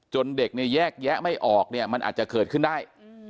เด็กเนี่ยแยกแยะไม่ออกเนี่ยมันอาจจะเกิดขึ้นได้